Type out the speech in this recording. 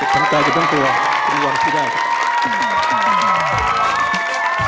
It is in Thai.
เจ็บใจเจ็บตัวคุณยอมพี่ได้